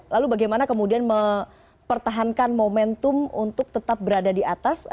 lalu bagaimana kemudian mempertahankan momentum untuk tetap berada di atas